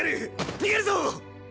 逃げるぞ！